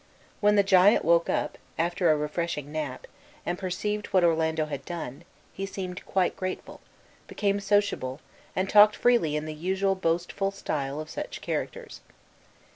When the giant woke up, after a refreshing nap, and perceived what Orlando had done, he seemed quite grateful, became sociable, and talked freely in the usual boastful style of such characters.